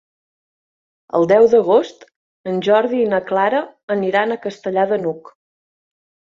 El deu d'agost en Jordi i na Clara aniran a Castellar de n'Hug.